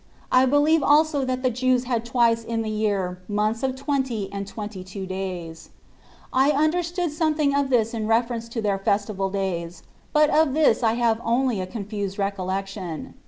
I believe also that the Jews have twice in the year months of twenty and twenty two days. I understood something of this in reference to their festival days, but of this I have only a confused recollection.